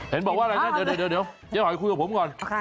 เห็นบอกว่าอะไรนะเดี๋ยวเจ๊หอยคุยกับผมก่อน